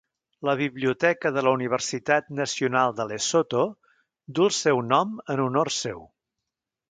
La biblioteca de la Universitat Nacional de Lesotho duu el seu nom en honor seu.